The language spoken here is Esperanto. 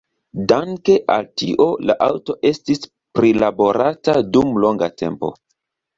Danke al tio la aŭto estis prilaborata dum longa tempo.